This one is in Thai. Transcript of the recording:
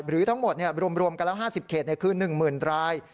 หรือทั้งหมดรวมกันแล้ว๕๐เขตคือ๑๐๐๐ราย